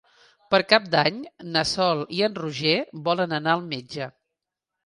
Per Cap d'Any na Sol i en Roger volen anar al metge.